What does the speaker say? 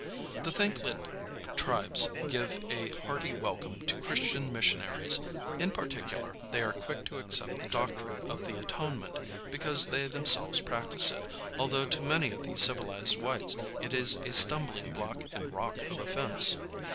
The Thlinkit tribes give a hearty welcome to Christian missionaries. In particular they are quick to accept the doctrine of the atonement, because they themselves practice it, although to many of the civilized whites it is a stumbling block and rock of offense.